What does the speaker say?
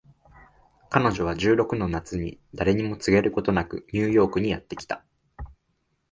彼女は十六の夏に誰にも告げることなくニューヨークにやって来た